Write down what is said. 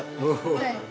はい。